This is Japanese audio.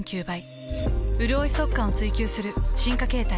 うるおい速乾を追求する進化形態。